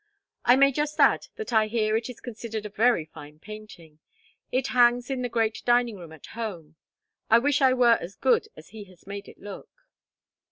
I may just add that I hear it is considered a very fine painting. It hangs in the great dining room at home. I wish I were as good as he has made it look.